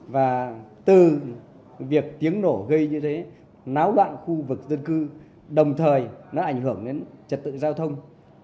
và từ việc tiếng nổ gây như thế náo đoạn khu vực dân cư đồng thời nó ảnh hưởng đến trật tự giao thông